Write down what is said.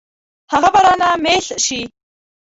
هغه به رانه مېس شي.